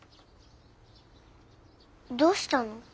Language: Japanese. どうしたの？